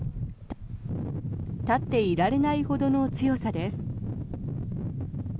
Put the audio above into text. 立っていられないほどの強さです。